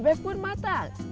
bebek pun matang